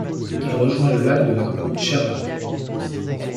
Il rejoint le lac de la Koutcherla.